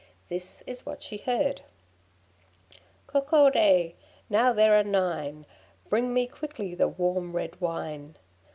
This is what she heard: 'Coccodé! now there are nine! Bring me quickly the warm red wine.